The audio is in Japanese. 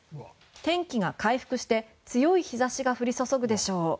天気が回復して強い日差しが降り注ぐでしょう。